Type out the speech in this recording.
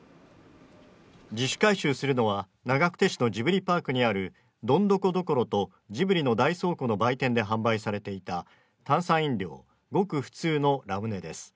自主回収するのは長久手市のジブリパークにあるどんどこ処とジブリの大倉庫の売店で販売されていた炭酸飲料極ふつうのラムネです